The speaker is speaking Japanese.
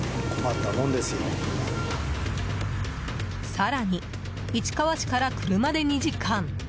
更に、市川市から車で２時間。